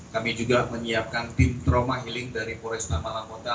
kami juga menyiapkan tim trauma healing dari pores tamalangkota